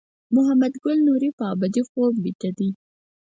محمد ګل نوري په ابدي خوب بیده دی.